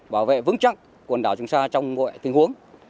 bảo vệ vững chắc quần đảo trường sa trong mọi tình huống